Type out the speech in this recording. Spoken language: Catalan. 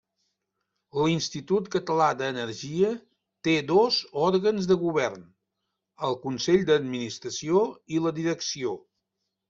L'Institut Català d'Energia té dos òrgans de govern: el Consell d'Administració i la Direcció.